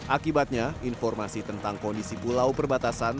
akibatnya informasi tentang kondisi pulau perbatasan